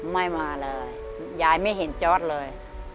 ไม่มาเลยยายไม่เห็นจอร์ดเลย